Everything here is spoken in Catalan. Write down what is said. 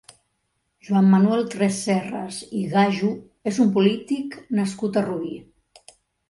Joan Manuel Tresserras i Gaju és un polític nascut a Rubí.